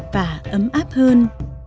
và ấm áp hơn